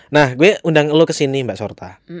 nah gue undang lo kesini mbak surtain